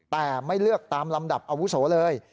แต่ไม่เลือกตามลำดับอาวุโสเลย